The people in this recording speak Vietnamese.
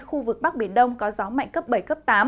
khu vực bắc biển đông có gió mạnh cấp bảy cấp tám